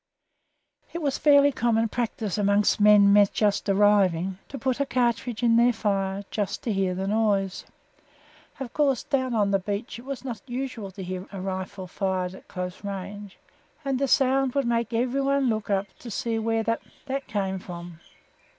It was a fairly common practice among men just arrived to put a cartridge in their fire just to hear the noise. Of course down on the beach it was not usual to hear a rifle fired at close range, and the sound would make everybody look up to "see where the that came from."